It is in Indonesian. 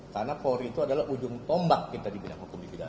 karena polri itu adalah ujung tombak kita di bidang hukum di bidang hukum